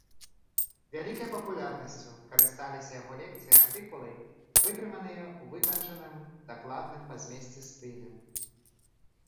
Вялікай папулярнасцю карысталіся яго лекцыі і артыкулы, вытрыманыя ў вытанчаным, дакладным па змесце стылі.